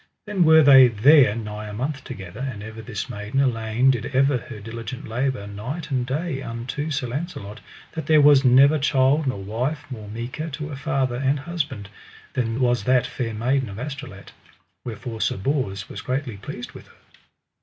Then were they there nigh a month together, and ever this maiden Elaine did ever her diligent labour night and day unto Sir Launcelot, that there was never child nor wife more meeker to her father and husband than was that Fair Maiden of Astolat; wherefore Sir Bors was greatly pleased with her.